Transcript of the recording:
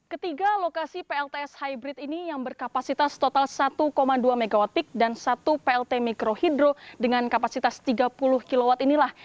ketiga lokasi plts hybrid ini yang berkapasitas total satu dua mwp dan satu plt mikrohidro dengan kapasitas tiga puluh kw inilah